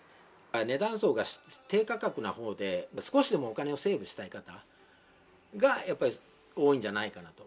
値段層が低価格なほうで、少しでもお金をセーブしたい方が、やっぱり多いんじゃないかなと。